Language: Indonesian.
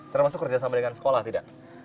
termasuk kerjasama dengan sekolah tidak